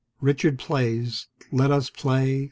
Richard plays. Let us play.